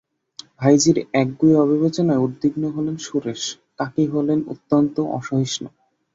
ভাইঝির একগুঁয়ে অবিবেচনায় উদ্বিগ্ন হলেন সুরেশ, কাকী হলেন অত্যন্ত অসহিষ্ণু।